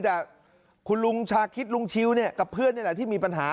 แต่คุณลุงชาคิดลุงชิวเนี่ยกับเพื่อนนี่แหละที่มีปัญหา